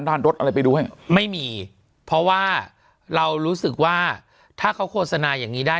ด้านรถอะไรไปด้วยไม่มีเพราะว่าเรารู้สึกว่าถ้าเขาโฆษณาอย่างนี้ได้